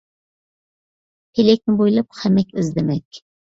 پېلەكنى بويلاپ خەمەك ئىزدىمەك